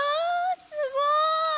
すごい！